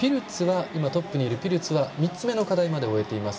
今、トップにいるピルツは３つ目の課題まで終えています。